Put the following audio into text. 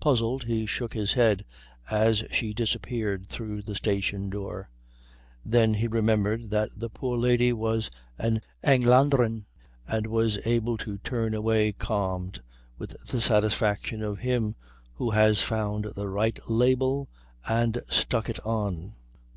Puzzled, he shook his head as she disappeared through the station door; then he remembered that the poor lady was an Engländerin, and was able to turn away calmed, with the satisfaction of him who has found the right label and stuck it on.